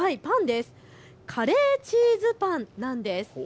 カレーチーズパンなんです。